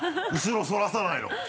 後ろそらさないの。